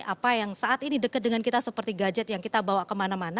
apa yang saat ini dekat dengan kita seperti gadget yang kita bawa kemana mana